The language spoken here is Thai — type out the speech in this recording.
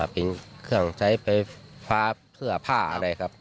เป็นเครื่องใช้ไฟฟ้าเสื้อผ้าอะไรครับ